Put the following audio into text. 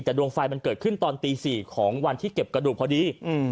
แต่ดวงไฟมันเกิดขึ้นตอนตี๔ของวันที่เก็บกระดูกพอดี